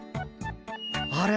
あれ？